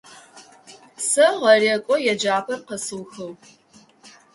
Сэ гъэрекӏо еджапӏэр къэсыухыгъ.